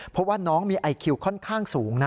เพราะว่าน้องมีไอคิวค่อนข้างสูงนะ